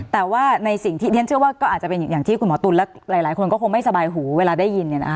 แต่ว่าในสิ่งที่เรียนเชื่อว่าก็อาจจะเป็นอย่างที่คุณหมอตุ๋นและหลายคนก็คงไม่สบายหูเวลาได้ยิน